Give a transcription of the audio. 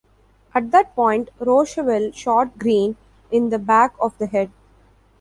At that point, Rocheville shot Greene in the back of the head.